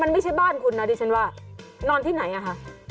มันไม่ใช่บ้านคุณนะดิฉันว่านอนที่ไหนอ่ะคะ